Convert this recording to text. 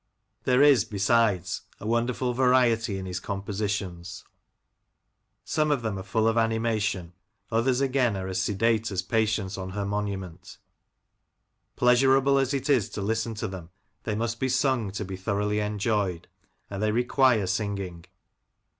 There is, besides, a wonderful variety in his compositions. Some of them are full of animation, others, again, are as sedate as Patience on her monument Pleasurable as it is to listen to them, they must be sung to be thoroughly enjoyed, and they require singing.